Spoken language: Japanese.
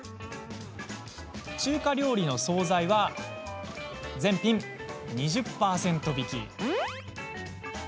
中華料理の総菜は全品２０％引き。